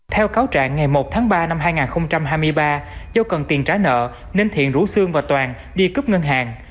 theo cáo trạng ngày một tháng ba năm hai nghìn hai mươi ba do cần tiền trả nợ nên thiện rủ sương và toàn đi cướp ngân hàng